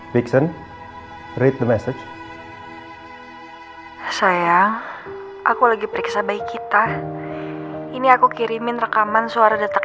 bigson ret the message sayang aku lagi periksa bayi kita ini aku kirimin rekaman suara detak